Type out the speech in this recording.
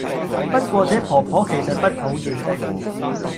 不過這婆婆其實不討厭的